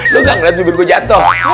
lo nggak ngelihat bibir gue jatuh